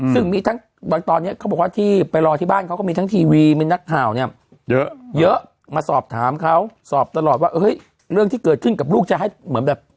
ซึ่งมีทั้งตอนนี้เขาบอกว่าที่ไปรอที่บ้านเขาก็มีทั้งทีวีมีนักข่าวเนี่ยเยอะมาสอบถามเขาสอบตลอดว่าเฮ้ยเรื่องที่เกิดขึ้นกับลูกจะให้เหมือนแบบ